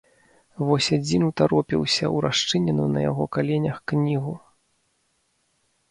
Вось адзін утаропіўся ў расчыненую на яго каленях кнігу.